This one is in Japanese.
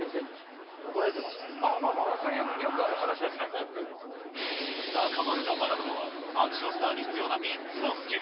まあまあまあ、よくある話で中丸が学ぶのは、アクションスターに必要な３つのスキル。